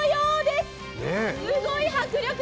すごい迫力。